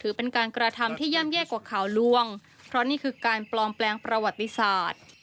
เป็นการกระทำที่ย่ำแย่กว่าข่าวล่วงเพราะนี่คือการปลอมแปลงประวัติศาสตร์